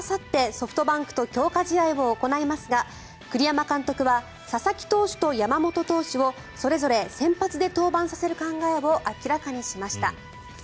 ソフトバンクと強化試合を行いますが栗山監督は佐々木投手と山本投手をそれぞれ先発で登板させる考えを明らかにしました。